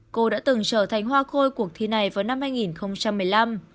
cô đã từng trở thành hoa khôi cuộc thi này vào năm hai nghìn một mươi năm